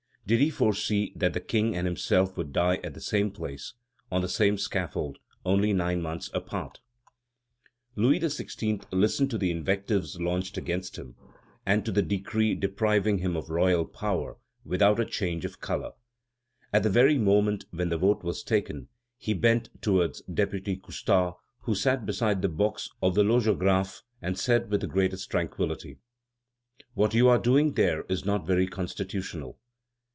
Did he foresee that the King and himself would die at the same place, on the same scaffold, and only nine months apart? Louis XVI. listened to the invectives launched against him, and to the decree depriving him of royal power, without a change of color. At the very moment when the vote was taken, he bent towards Deputy Coustard, who sat beside the box of the Logographe, and said with the greatest tranquillity: "What you are doing there is not very constitutional."